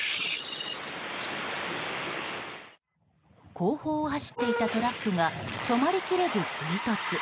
後方を走っていたトラックが止まり切れず追突。